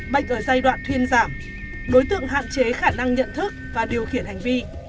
bệnh ở giai đoạn thuyên giảm đối tượng hạn chế khả năng nhận thức và điều khiển hành vi